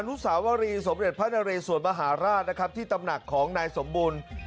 นุสาวรีสมเด็จพระนเรสวนมหาราชนะครับที่ตำหนักของนายสมบูรณ์